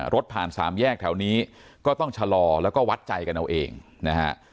รถผ่านสามแยกแถวนี้ก็ต้องชะลอแล้วก็วัดใจกันเอาเองนะฮะ